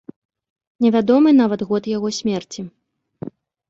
Невядомы нават год яго смерці.